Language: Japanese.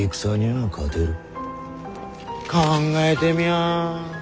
考えてみやあ。